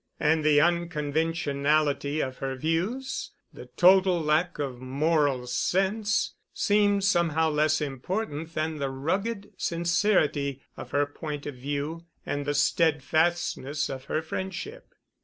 And the unconventionality of her views, the total lack of moral sense, seemed somehow less important than the rugged sincerity of her point of view and the steadfastness of her friendship.